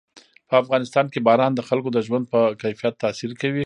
په افغانستان کې باران د خلکو د ژوند په کیفیت تاثیر کوي.